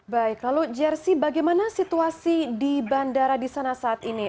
baik lalu jersi bagaimana situasi di bandara di sana saat ini